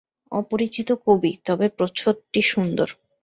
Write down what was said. অপরিচিত কবি, তবে প্রচ্ছদটি সুন্দর।